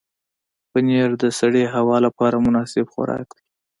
پنېر د سړې هوا لپاره مناسب خوراک دی.